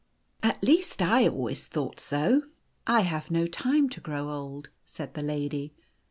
At least I always thought so." "I have no time to grow old," said the lady.